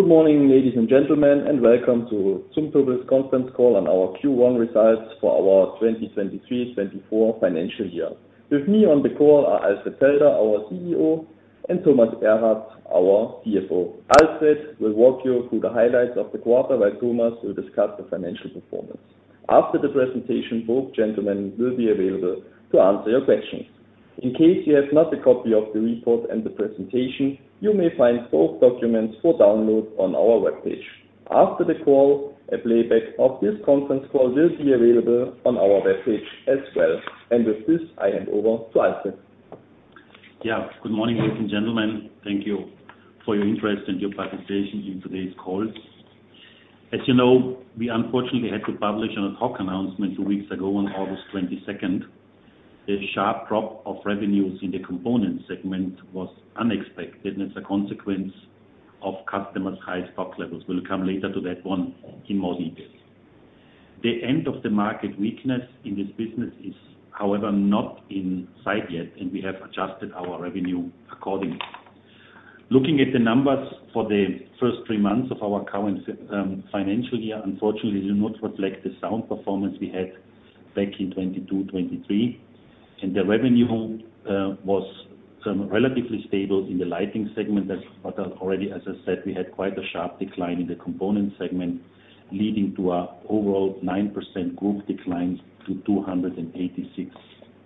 Good morning, ladies and gentlemen, and welcome to Zumtobel's conference call on our Q1 results for our 2023-24 financial year. With me on the call are Alfred Felder, our CEO, and Thomas Erath, our CFO. Alfred will walk you through the highlights of the quarter, while Thomas will discuss the financial performance. After the presentation, both gentlemen will be available to answer your questions. In case you have not a copy of the report and the presentation, you may find both documents for download on our webpage. After the call, a playback of this conference call will be available on our webpage as well. With this, I hand over to Alfred. Yeah, good morning, ladies and gentlemen. Thank you for your interest and your participation in today's call. As you know, we unfortunately had to publish an ad hoc announcement two weeks ago on August 22nd. The sharp drop of revenues in the component segment was unexpected, and it's a consequence of customers' high stock levels. We'll come later to that one in more detail. The end of the market weakness in this business is, however, not in sight yet, and we have adjusted our revenue accordingly. Looking at the numbers for the first three months of our current financial year, unfortunately, do not reflect the sound performance we had back in 2022, 2023. And the revenue was relatively stable in the lighting segment. But already, as I said, we had quite a sharp decline in the component segment, leading to an overall 9% group decline to 286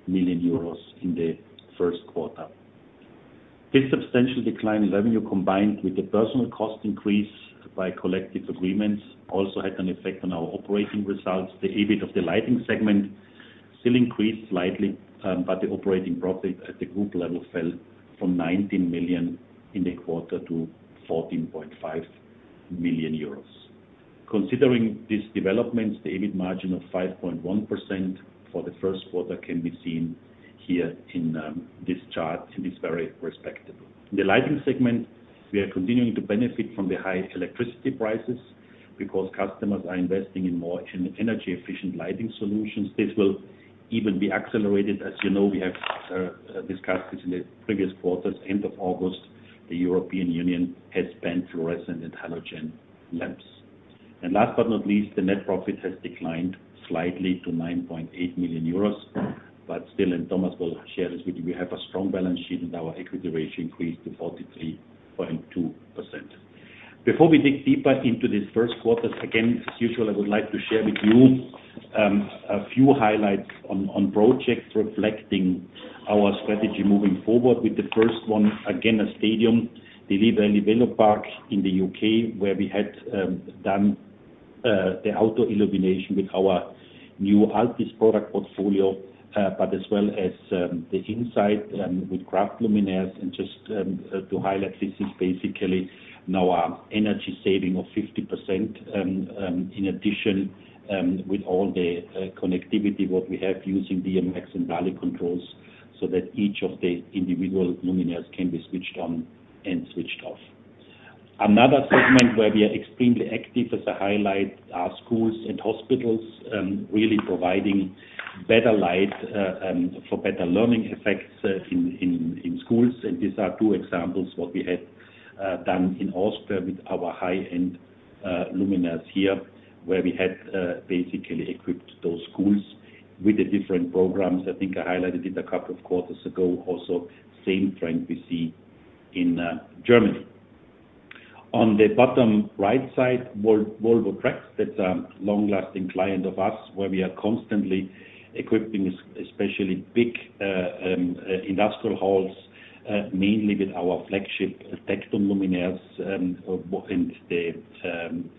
million euros in the first quarter. This substantial decline in revenue, combined with the personnel cost increase by collective agreements, also had an effect on our operating results. The EBIT of the lighting segment still increased slightly, but the operating profit at the group level fell from 19 million in the quarter to 14.5 million euros. Considering these developments, the EBIT margin of 5.1% for the first quarter can be seen here in this chart, and it's very respectable. In the lighting segment, we are continuing to benefit from the high electricity prices because customers are investing in more energy-efficient lighting solutions. This will even be accelerated. As you know, we have discussed this in the previous quarters. End of August, the European Union has banned fluorescent and halogen lamps. Last but not least, the net profit has declined slightly to 9.8 million euros, but still, and Thomas will share this with you, we have a strong balance sheet, and our equity ratio increased to 43.2%. Before we dig deeper into this first quarter, again, as usual, I would like to share with you a few highlights on projects reflecting our strategy moving forward with the first one, again, a stadium, the Liverpool Park in the U.K., where we had done the outdoor illumination with our new ALTIS product portfolio, but as well as the inside with CRAFT luminaires. And just to highlight, this is basically now energy saving of 50%, in addition, with all the connectivity what we have using DMX and DALI controls, so that each of the individual luminaires can be switched on and switched off. Another segment where we are extremely active as a highlight are schools and hospitals, really providing better light for better learning effects in schools. And these are two examples what we had done in Austria with our high-end luminaires here, where we had basically equipped those schools with the different programs. I think I highlighted it a couple of quarters ago. Also, same trend we see in Germany. On the bottom right side, Volvo Trucks, that's a long-lasting client of us, where we are constantly equipping especially big industrial halls, mainly with our flagship TECTON luminaires, within the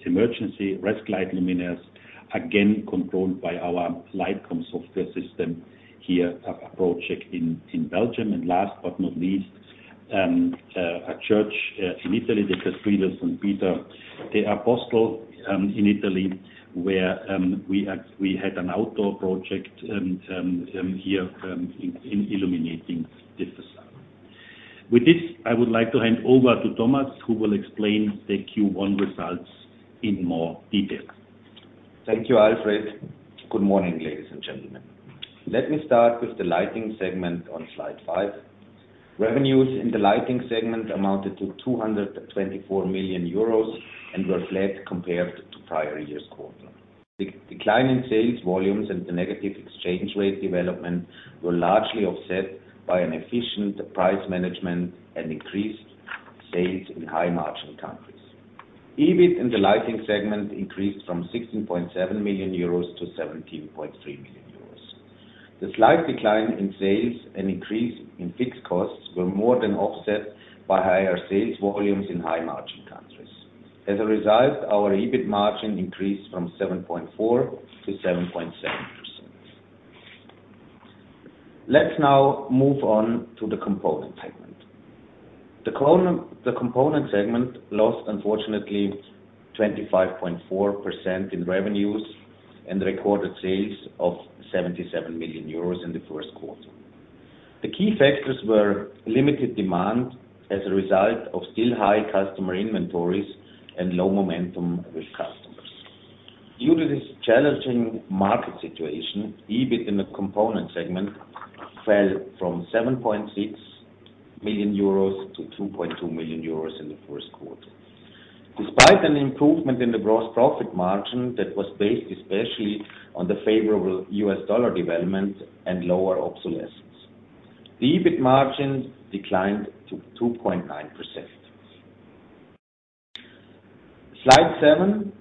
emergency risk light luminaires, again, controlled by our LITECOM software system. Here, a project in Belgium, and last but not least, a church in Italy, the Cathedral Saint Peter the Apostle, in Italy, where we had an outdoor project, and here in illuminating the façade. With this, I would like to hand over to Thomas, who will explain the Q1 results in more detail. Thank you, Alfred. Good morning, ladies and gentlemen. Let me start with the lighting segment on slide five. Revenues in the lighting segment amounted to 224 million euros and were flat compared to prior year's quarter. The decline in sales volumes and the negative exchange rate development were largely offset by an efficient price management and increased sales in high-margin countries. EBIT in the lighting segment increased from 16.7 million euros to 17.3 million euros. The slight decline in sales and increase in fixed costs were more than offset by higher sales volumes in high-margin countries. As a result, our EBIT margin increased from 7.4% to 7.7%. Let's now move on to the component segment. The component segment lost, unfortunately, 25.4% in revenues and recorded sales of 77 million euros in the first quarter. The key factors were limited demand as a result of still high customer inventories and low momentum with customers.... Due to this challenging market situation, EBIT in the component segment fell from 7.6 million euros to 2.2 million euros in the first quarter. Despite an improvement in the gross profit margin that was based especially on the favorable U.S. dollar development and lower obsolescence, the EBIT margin declined to 2.9%. Slide seven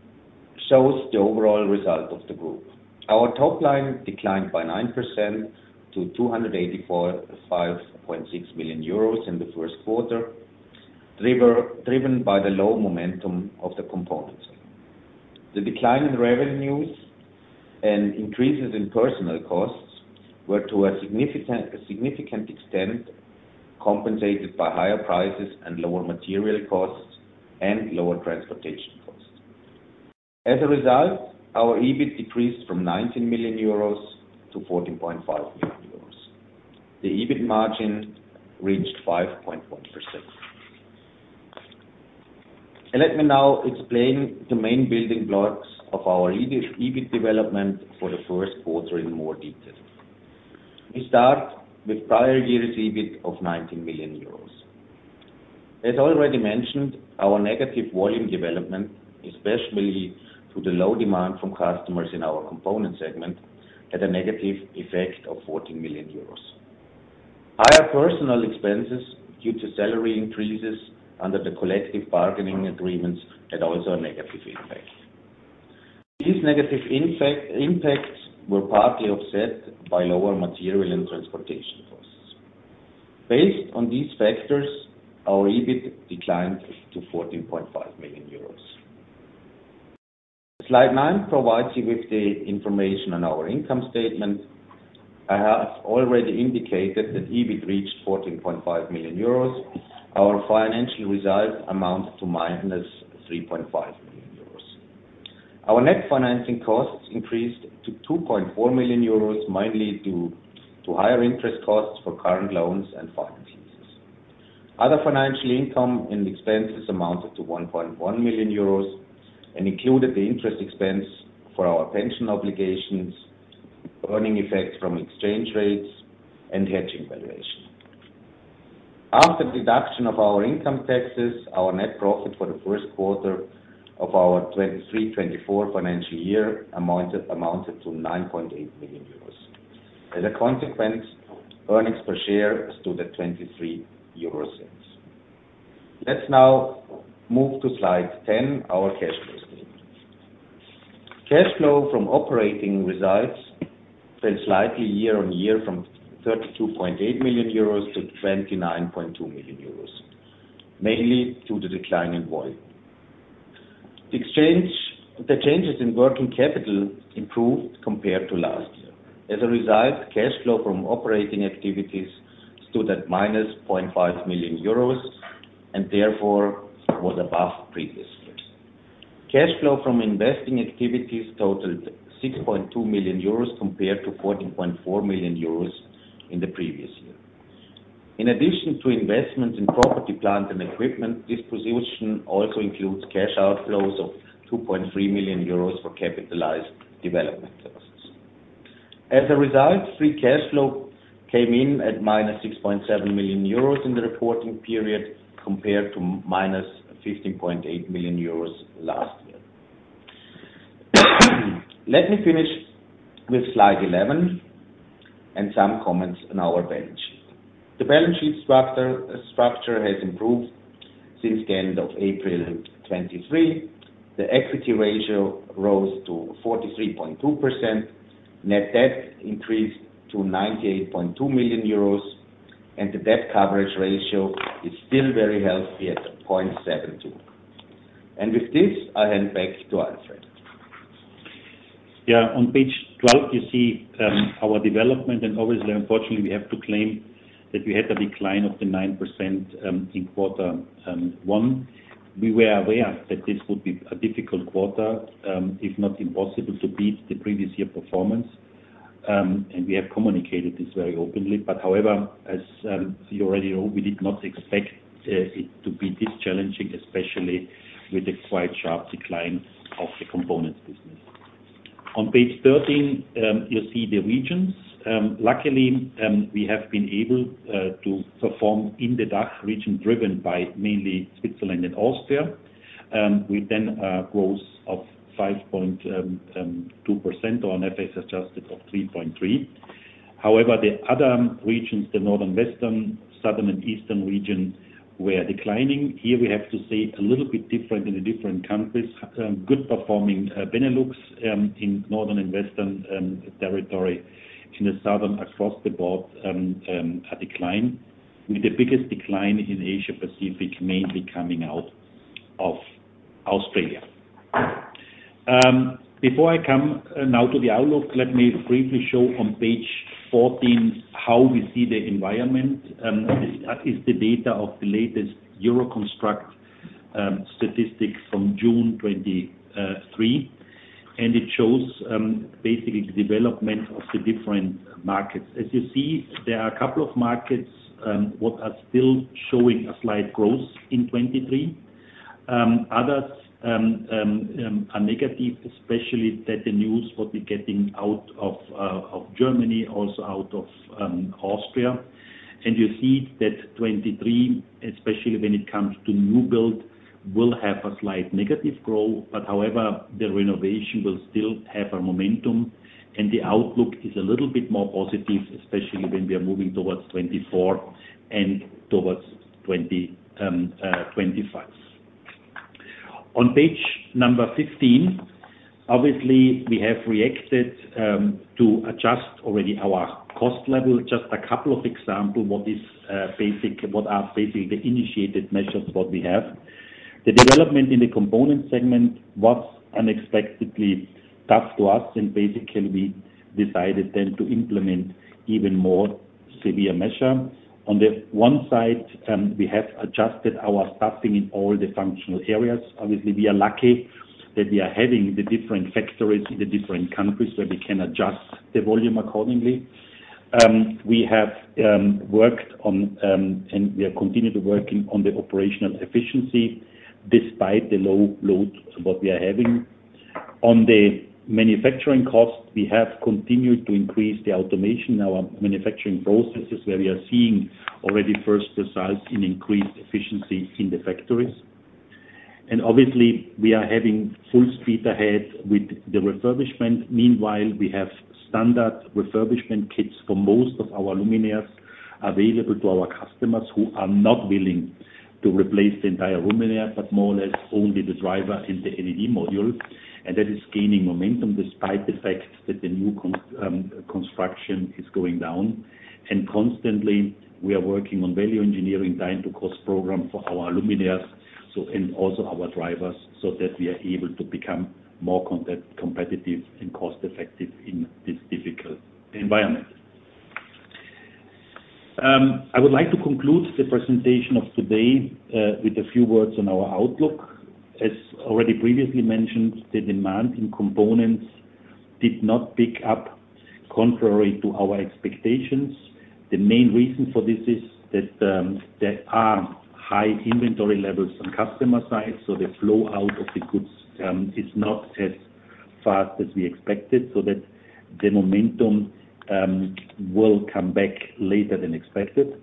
shows the overall result of the group. Our top line declined by 9% to 284.56 million euros in the first quarter, driven by the low momentum of the component segment. The decline in revenues and increases in personal costs were to a significant, significant extent, compensated by higher prices and lower material costs, and lower transportation costs. As a result, our EBIT decreased from 19 million euros to 14.5 million euros. The EBIT margin reached 5.1%. Let me now explain the main building blocks of our EBIT, EBIT development for the first quarter in more detail. We start with prior year's EBIT of 19 million euros. As already mentioned, our negative volume development, especially to the low demand from customers in our component segment, had a negative effect of 14 million euros. Higher personal expenses due to salary increases under the collective bargaining agreements, had also a negative impact. These negative impact, impacts were partly offset by lower material and transportation costs. Based on these factors, our EBIT declined to 14.5 million euros. Slide nine provides you with the information on our income statement. I have already indicated that EBIT reached 14.5 million euros. Our financial results amount to -3.5 million euros. Our net financing costs increased to 2.4 million euros, mainly due to higher interest costs for current loans and finance leases. Other financial income and expenses amounted to 1.1 million euros, and included the interest expense for our pension obligations, currency effects from exchange rates, and hedging valuation. After deduction of our income taxes, our net profit for the first quarter of our 2023/2024 financial year amounted to 9.8 million euros. As a consequence, earnings per share stood at 0.23 euros. Let's now move to slide 10, our cash flow statement. Cash flow from operating results fell slightly year-on-year from 32.8 million euros to 29.2 million euros, mainly due to the decline in volume. The changes in working capital improved compared to last year. As a result, cash flow from operating activities stood at -0.5 million euros, and therefore, was above previous years. Cash flow from investing activities totaled 6.2 million euros, compared to 14.4 million euros in the previous year. In addition to investments in property, plant, and equipment, this position also includes cash outflows of 2.3 million euros for capitalized development services. As a result, free cash flow came in at -6.7 million euros in the reporting period, compared to -15.8 million euros last year. Let me finish with slide 11 and some comments on our balance sheet. The balance sheet structure has improved since the end of April 2023. The equity ratio rose to 43.2%. Net debt increased to 98.2 million euros, and the debt coverage ratio is still very healthy at 0.72. And with this, I hand back to Alfred. Yeah, on page 12, you see our development, and obviously, unfortunately, we have to claim that we had a decline of 9% in quarter one. We were aware that this would be a difficult quarter, if not impossible, to beat the previous year performance, and we have communicated this very openly. But however, as you already know, we did not expect it to be this challenging, especially with the quite sharp decline of the components business. On page 13, you see the regions. Luckily, we have been able to perform in the DACH region, driven by mainly Switzerland and Austria, with then a growth of 5.2%, or on FX adjusted of 3.3%. However, the other regions, the Northern, Western, Southern, and Eastern regions, were declining. Here we have to say a little bit different in the different countries. Good performing Benelux in Northern and Western territory. In the Southern, across the board, a decline, with the biggest decline in Asia Pacific, mainly coming out of Australia. Before I come now to the outlook, let me briefly show on page 14 how we see the environment. That is the data of the latest Euroconstruct statistics from June 23rd, and it shows basically the development of the different markets. As you see, there are a couple of markets what are still showing a slight growth in 2023. Others are negative, especially that the news what we're getting out of Germany, also out of Austria. You see that 2023, especially when it comes to new build, will have a slight negative growth, but however, the renovation will still have a momentum, and the outlook is a little bit more positive, especially when we are moving towards 2024 and towards 25. On page 15, obviously, we have reacted to adjust already our cost level. Just a couple of example, what is basic, what are basically the initiated measures, what we have. The development in the component segment was unexpectedly tough to us, and basically, we decided then to implement even more severe measure. On the one side, we have adjusted our staffing in all the functional areas. Obviously, we are lucky that we are having the different factories in the different countries where we can adjust the volume accordingly. We have worked on and we are continuing to working on the operational efficiency despite the low load what we are having. On the manufacturing cost, we have continued to increase the automation in our manufacturing processes, where we are seeing already first results in increased efficiency in the factories. And obviously, we are having full speed ahead with the refurbishment. Meanwhile, we have standard refurbishment kits for most of our luminaires available to our customers who are not willing to replace the entire luminaire, but more or less only the driver and the LED module. And that is gaining momentum despite the fact that the new construction is going down. And constantly, we are working on value engineering, design-to-cost program for our luminaires, so, and also our drivers, so that we are able to become more competitive and cost-effective in this difficult environment. I would like to conclude the presentation of today with a few words on our outlook. As already previously mentioned, the demand in components did not pick up contrary to our expectations. The main reason for this is that there are high inventory levels on customer side, so the flow out of the goods is not as fast as we expected, so that the momentum will come back later than expected.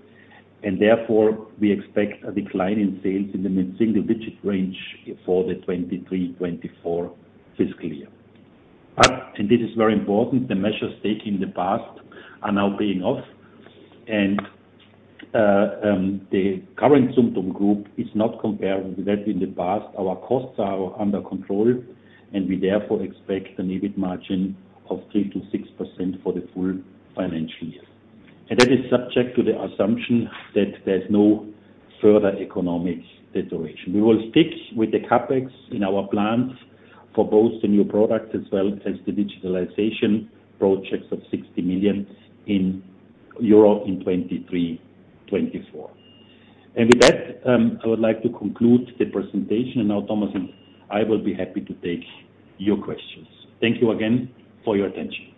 And therefore, we expect a decline in sales in the mid-single digit range for the 2023-2024 fiscal year. But this is very important, the measures taken in the past are now paying off, and the current Zumtobel Group is not comparable to that in the past. Our costs are under control, and we therefore expect an EBIT margin of 3%-6% for the full financial year. And that is subject to the assumption that there's no further economic deterioration. We will stick with the CapEx in our plans for both the new products as well as the digitalization projects of 60 million euro in Europe in 2023-2024. And with that, I would like to conclude the presentation, and now Thomas and I will be happy to take your questions. Thank you again for your attention.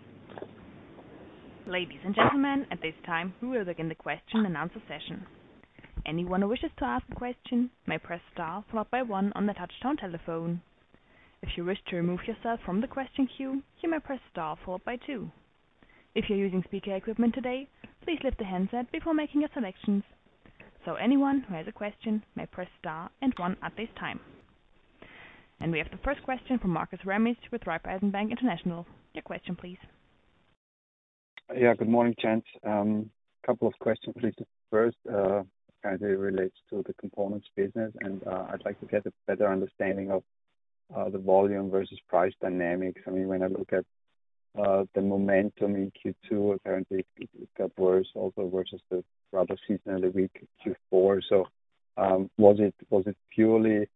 Ladies and gentlemen, at this time, we will begin the question and answer session. Anyone who wishes to ask a question may press star followed by one on the touchtone telephone. If you wish to remove yourself from the question queue, you may press star followed by two. If you're using speaker equipment today, please lift the handset before making your selections. So anyone who has a question may press star and one at this time. And we have the first question from Markus Remis with Raiffeisen Bank International. Your question, please. Yeah, good morning, gents. Couple of questions, please. First, kind of relates to the components business, and I'd like to get a better understanding of the volume versus price dynamics. I mean, when I look at the momentum in Q2, apparently it got worse, also versus the rather season and the weak Q4. So, was it purely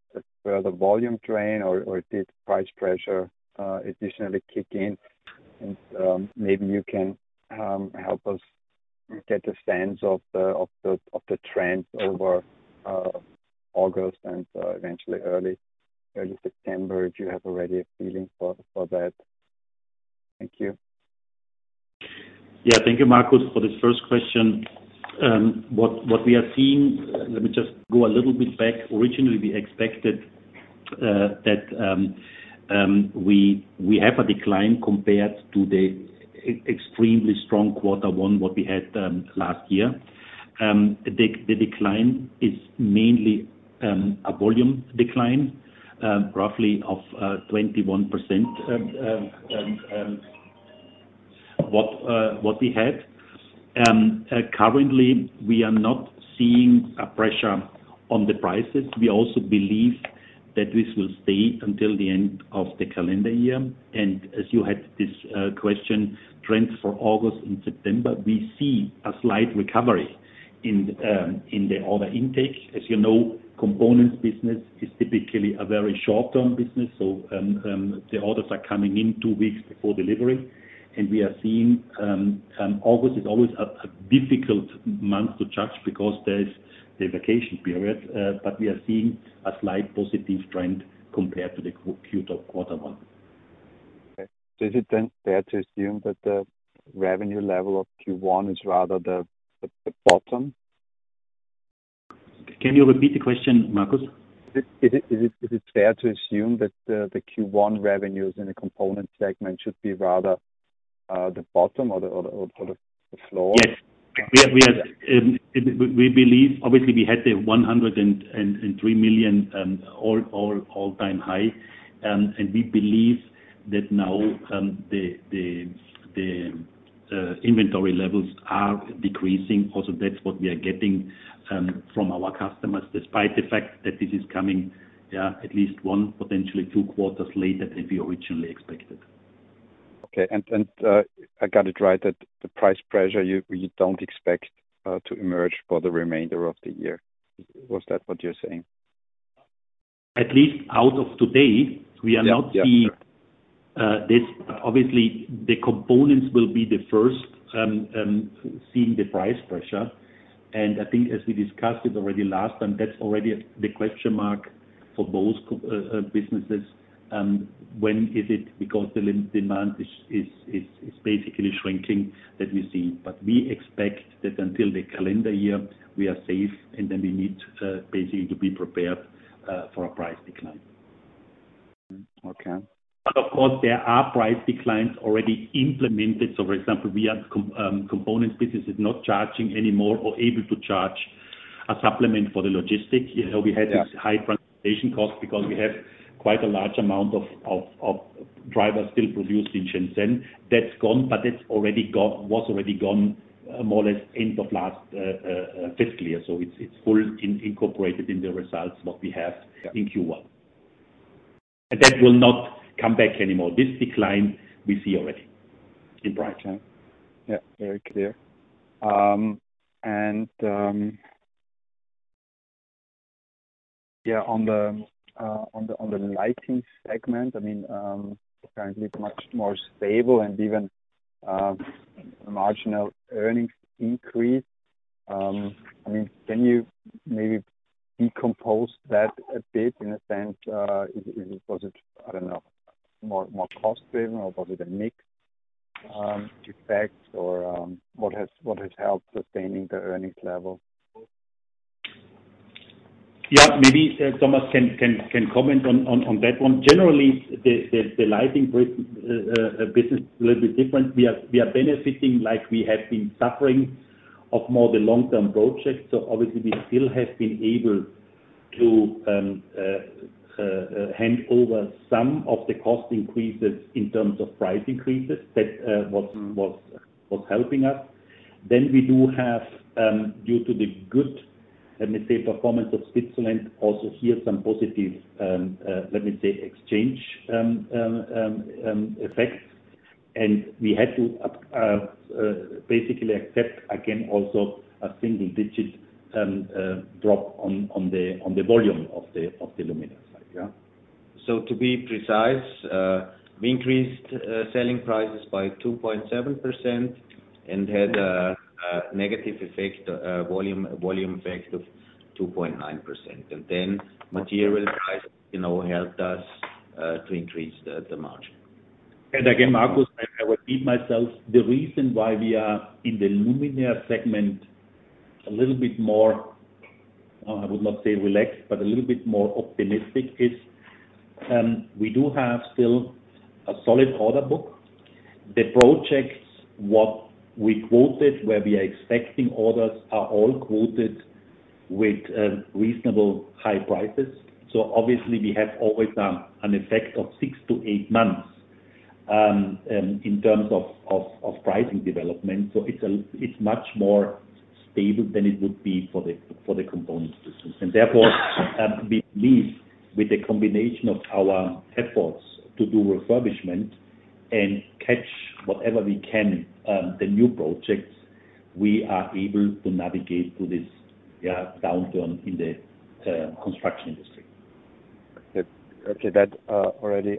the volume drain or did price pressure additionally kick in? And, maybe you can help us get a sense of the trends over August and eventually early September, if you have already a feeling for that. Thank you. Yeah. Thank you, Markus, for the first question. What we are seeing, let me just go a little bit back. Originally, we expected that we have a decline compared to the extremely strong quarter one what we had last year. The decline is mainly a volume decline roughly of 21% what we had. Currently, we are not seeing a pressure on the prices. We also believe that this will stay until the end of the calendar year. And as you had this question, trends for August and September, we see a slight recovery in the order intake. As you know, components business is typically a very short-term business, so the orders are coming in two weeks before delivery. We are seeing August is always a difficult month to judge because there is the vacation period, but we are seeing a slight positive trend compared to the Q1, quarter one.... Okay, so is it then fair to assume that the revenue level of Q1 is rather the bottom? Can you repeat the question, Markus? Is it fair to assume that the Q1 revenues in the component segment should be rather the bottom or the floor? Yes. We believe obviously we had the 103 million all-time high. And we believe that now the inventory levels are decreasing. Also, that's what we are getting from our customers, despite the fact that this is coming, yeah, at least one, potentially two quarters later than we originally expected. Okay. I got it right, that the price pressure you don't expect to emerge for the remainder of the year. Was that what you're saying? At least out of today, we are not seeing- Yeah. Yeah. This obviously, the components will be the first seeing the price pressure. And I think as we discussed it already last time, that's already the question mark for both businesses. When is it? Because the LED demand is basically shrinking, that we see. But we expect that until the calendar year, we are safe, and then we need basically to be prepared for a price decline. Okay. But of course, there are price declines already implemented. So for example, we have components business is not charging any more or able to charge a supplement for the logistics. You know, we had- Yeah... this high transportation cost because we had quite a large amount of drivers still produced in Shenzhen. That's gone, but it's already gone—was already gone fiscal year. So it's fully incorporated in the results what we have in Q1. And that will not come back anymore. This decline we see already in price. Yeah, very clear. And, yeah, on the lighting segment, I mean, apparently it's much more stable and even marginal earnings increase. I mean, can you maybe decompose that a bit, in a sense, is it, was it, I don't know, more cost driven, or was it a mix effect or what has helped sustaining the earnings level? Yeah, maybe Thomas can comment on that one. Generally, the lighting business is a little bit different. We are benefiting, like we have been suffering of more the long-term projects. So obviously we still have been able to hand over some of the cost increases in terms of price increases. That was- Mm-hmm... was helping us. Then we do have, due to the good, let me say, performance of Switzerland, also here, some positive, let me say exchange effect. And we had to up, basically accept, again, also a single digit drop on the volume of the luminaire side. Yeah. So to be precise, we increased selling prices by 2.7% and had a negative volume effect of 2.9%. And then material prices, you know, helped us to increase the margin. And again, Markus, I, I repeat myself. The reason why we are in the luminaire segment a little bit more, I would not say relaxed, but a little bit more optimistic, is, we do have still a solid order book. The projects, what we quoted, where we are expecting orders, are all quoted with reasonable high prices. So obviously we have always an effect of 6-8 months in terms of pricing development. So it's much more stable than it would be for the components business. And therefore, we believe with the combination of our efforts to do refurbishment and catch whatever we can, the new projects, we are able to navigate through this downturn in the construction industry. Okay. Okay, that already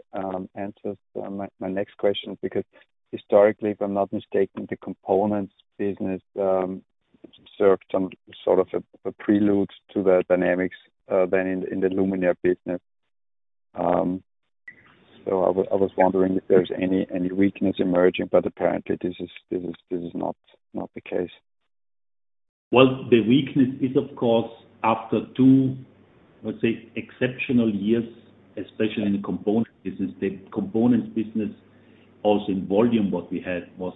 answers my next question, because historically, if I'm not mistaken, the components business served some sort of a prelude to the dynamics than in the luminaire business. So I was wondering if there's any weakness emerging, but apparently this is not the case. Well, the weakness is, of course, after two, let's say, exceptional years, especially in the component business. The components business, also in volume, what we had was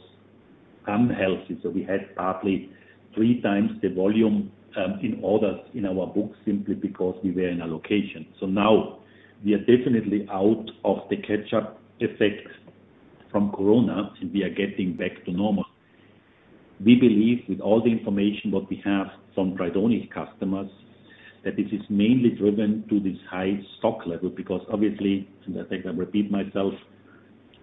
unhealthy. So we had partly 3x the volume in orders in our books, simply because we were in a location. So now we are definitely out of the catch-up effect from Corona, and we are getting back to normal. We believe, with all the information that we have from Tridonic customers, that this is mainly driven to this high stock level. Because obviously, and I think I repeat myself,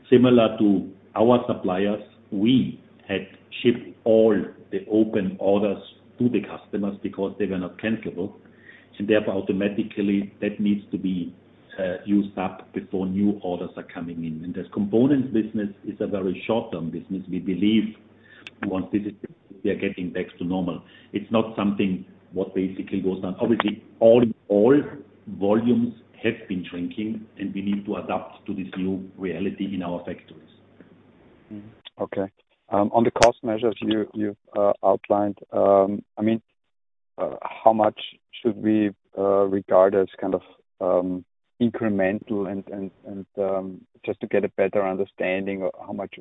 similar to our suppliers, we had shipped all the open orders to the customers because they were not cancelable, and therefore, automatically, that needs to be used up before new orders are coming in. And the components business is a very short-term business, we believe-... Once this is, we are getting back to normal. It's not something what basically goes down. Obviously, all volumes have been shrinking, and we need to adapt to this new reality in our factories. Mm-hmm. Okay. On the cost measures you outlined, I mean, how much should we regard as kind of incremental and just to get a better understanding of how much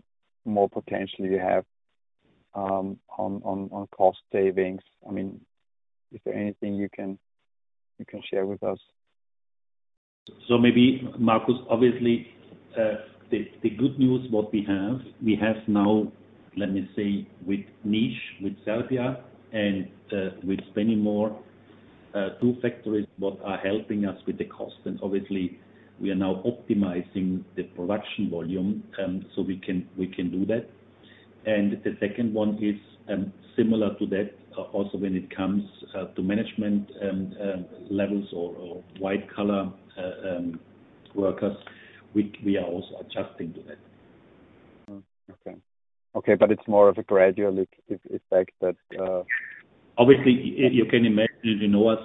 more potential you have on cost savings? I mean, is there anything you can share with us? So maybe, Markus, obviously, the good news, what we have, we have now, let me say, with Niš, with Celpia, and with Spennymoor two factories, what are helping us with the cost. And obviously, we are now optimizing the production volume, so we can do that. And the second one is, similar to that, also when it comes to management levels or white collar workers, we are also adjusting to that. Oh, okay. Okay, but it's more of a gradual effect that, Obviously, you can imagine, you know, as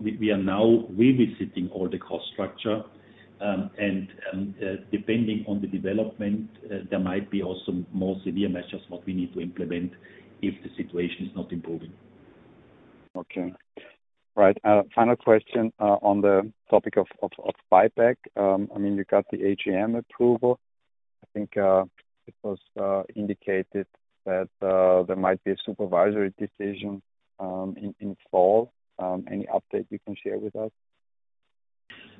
we are now revisiting all the cost structure, and depending on the development, there might be also more severe measures, what we need to implement if the situation is not improving. Okay. Right. Final question on the topic of buyback. I mean, you got the AGM approval. I think it was indicated that there might be a supervisory decision in fall. Any update you can share with us?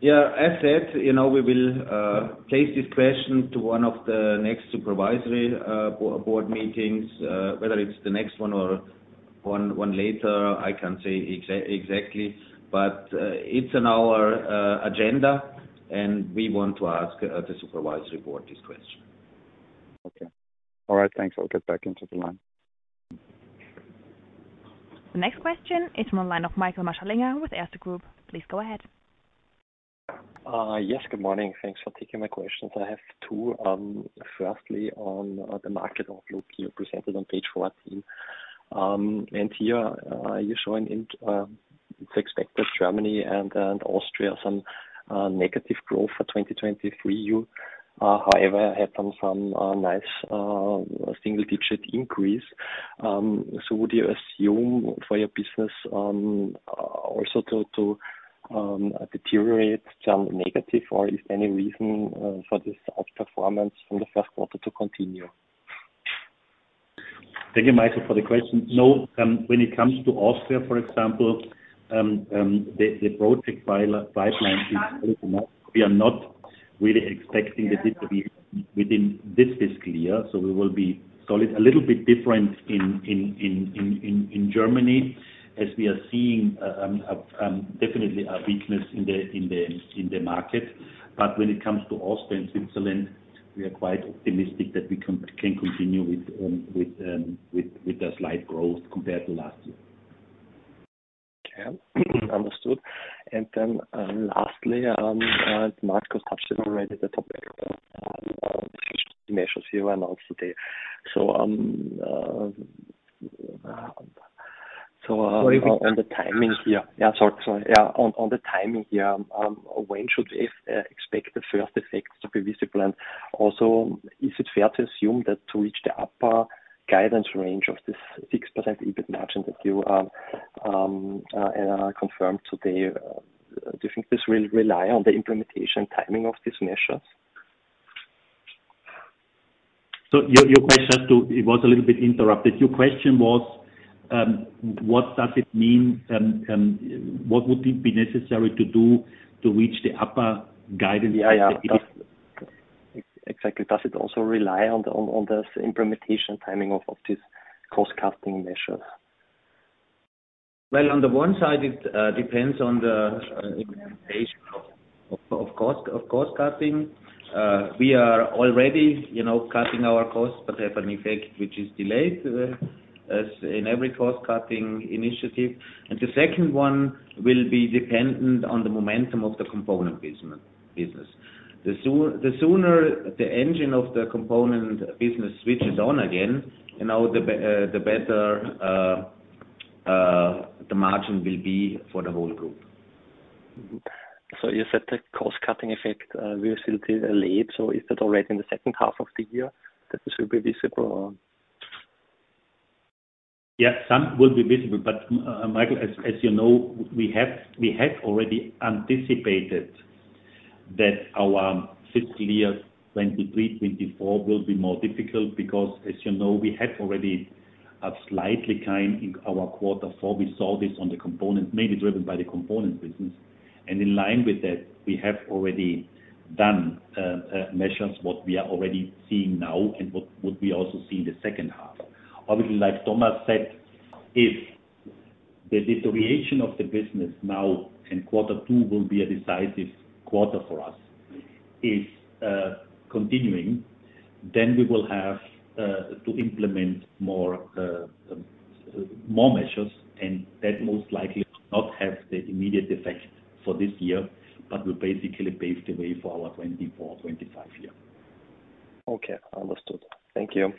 Yeah, as said, you know, we will take this question to one of the next supervisory board meetings, whether it's the next one or one later, I can't say exactly. But, it's on our agenda, and we want to ask the supervisory board this question. Okay. All right, thanks. I'll get back into the line. The next question is from the line of Michael Maschlinger with Erste Group. Please go ahead. Yes, good morning. Thanks for taking my questions. I have two. Firstly, on the market outlook you presented on page 14. And here, you're showing it's expected Germany and Austria some negative growth for 2023. You, however, had some nice single-digit increase. So would you assume for your business also to deteriorate, turn negative, or is there any reason for this outperformance from the first quarter to continue? Thank you, Michael, for the question. No, when it comes to Austria, for example, the project pipeline, we are not really expecting this to be within this fiscal year, so we will be solid. A little bit different in Germany, as we are seeing definitely a weakness in the market. But when it comes to Austria and Switzerland, we are quite optimistic that we can continue with a slight growth compared to last year. Okay. Understood. And then, lastly, Markus touched already the topic, measures you announced today. So, on the timing here- Sorry- Yeah, sorry, sorry. Yeah, on the timing here, when should we expect the first effects to be visible? And also, is it fair to assume that to reach the upper guidance range of this 6% EBIT margin that you confirmed today, do you think this will rely on the implementation timing of these measures? So your question, to-- It was a little bit interrupted. Your question was: What does it mean, what would it be necessary to do to reach the upper guidance- Yeah, yeah. The EBIT. Exactly. Does it also rely on the implementation timing of this cost-cutting measure? Well, on the one side, it depends on the implementation of cost cutting. We are already, you know, cutting our costs, but have an effect which is delayed, as in every cost-cutting initiative. And the second one will be dependent on the momentum of the component business. The sooner the engine of the component business switches on again, you know, the better the margin will be for the whole group. So you said the cost-cutting effect will still take a little. So is that already in the second half of the year that this will be visible, or? Yeah, some will be visible. But, Michael, as you know, we have, we had already anticipated that our fiscal year 2023-2024 will be more difficult because, as you know, we had already a slight time in our quarter four. We saw this on the component, mainly driven by the component business. And in line with that, we have already done measures, what we are already seeing now and what we also see in the second half. Obviously, like Thomas said, if the deterioration of the business now in quarter two will be a decisive quarter for us continuing, then we will have to implement more measures, and that most likely will not have the immediate effect for this year, but will basically pave the way for our 2024-2025 year. Okay, understood. Thank you.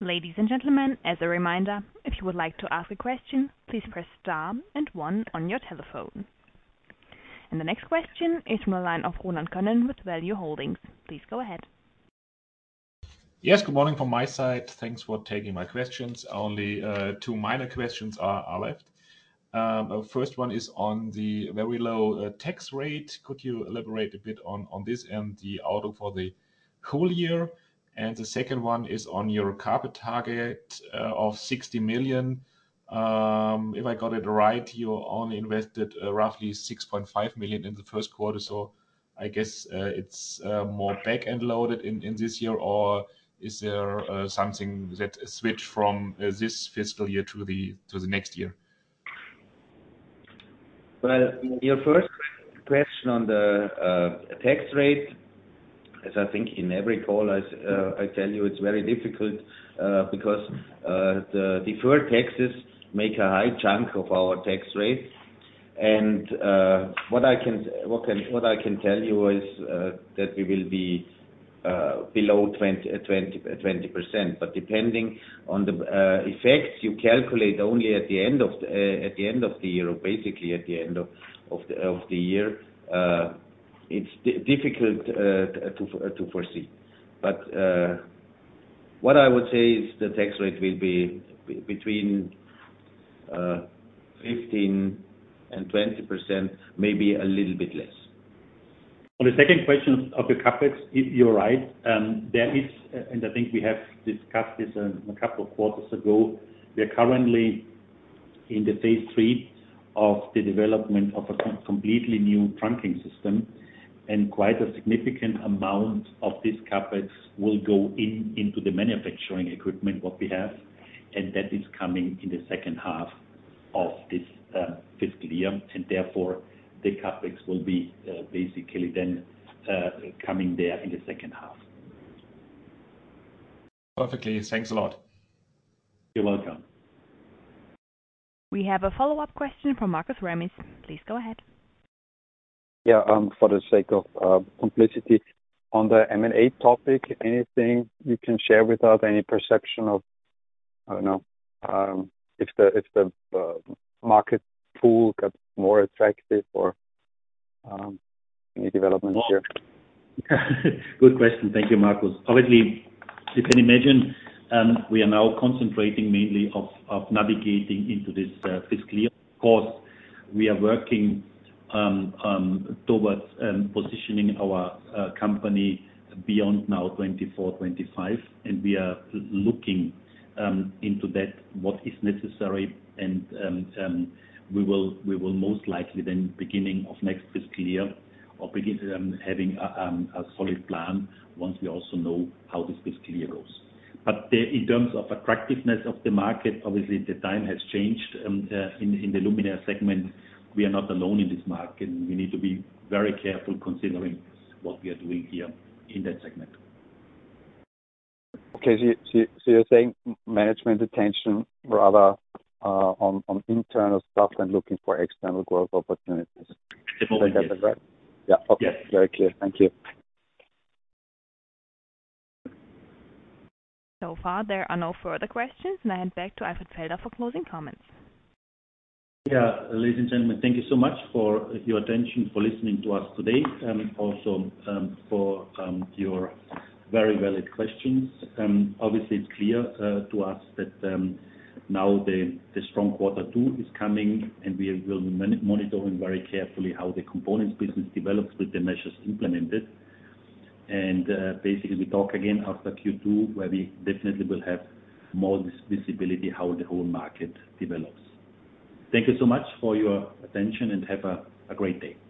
Ladies and gentlemen, as a reminder, if you would like to ask a question, please press star and one on your telephone. The next question is from the line of Roland Klein with Value Holdings. Please go ahead. Yes, good morning from my side. Thanks for taking my questions. Only, two minor questions are left. First one is on the very low tax rate. Could you elaborate a bit on this and the outlook for the whole year? And the second one is on your CapEx target of 60 million. If I got it right, you only invested roughly 6.5 million in the first quarter, so I guess it's more back-end loaded in this year. Or is there something that switch from this fiscal year to the next year? Well, your first question on the tax rate, as I think in every call, I tell you, it's very difficult because the deferred taxes make a high chunk of our tax rate. And what I can tell you is that we will be below 20%. But depending on the effects, you calculate only at the end of the year, or basically at the end of the year. It's difficult to foresee. But what I would say is the tax rate will be between 15% and 20%, maybe a little bit less. On the second question of the CapEx, you're right. There is, and I think we have discussed this, a couple of quarters ago. We are currently in phase three of the development of a completely new trunking system, and quite a significant amount of this CapEx will go into the manufacturing equipment what we have, and that is coming in the second half of this fiscal year. And therefore, the CapEx will be basically then coming there in the second half. Perfectly. Thanks a lot. You're welcome. We have a follow-up question from Markus Remis. Please go ahead. Yeah, for the sake of completeness on the M&A topic, anything you can share without any perception of, I don't know, if the market pool got more attractive or any developments here? Good question. Thank you, Markus. Obviously, you can imagine, we are now concentrating mainly of navigating into this fiscal year. Of course, we are working towards positioning our company beyond now 2024, 2025, and we are looking into that, what is necessary. We will most likely then, beginning of next fiscal year, having a solid plan once we also know how this fiscal year goes. But in terms of attractiveness of the market, obviously the time has changed. In the luminaire segment, we are not alone in this market, and we need to be very careful considering what we are doing here in that segment. Okay. So you're saying management attention rather on internal stuff than looking for external growth opportunities. Exactly. Did I get that right? Yeah. Yes. Okay. Very clear. Thank you. So far, there are no further questions, and I hand back to Alfred Felder for closing comments. Yeah. Ladies and gentlemen, thank you so much for your attention, for listening to us today, also for your very valid questions. Obviously, it's clear to us that now the strong quarter two is coming, and we will monitoring very carefully how the components business develops with the measures implemented. And basically, we talk again after Q2, where we definitely will have more visibility how the whole market develops. Thank you so much for your attention, and have a great day.